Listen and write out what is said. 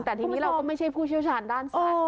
แต่ทีนี้เราก็ไม่ใช่ผู้เชี่ยวชาญด้านสัตว์